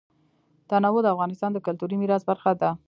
تنوع د افغانستان د کلتوري میراث برخه ده.